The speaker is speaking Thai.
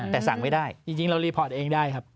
แต่สั่งไม่ได้จริงเรารีพอร์ตเองได้ครับ